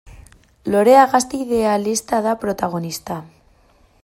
Lorea gazte idealista da protagonista.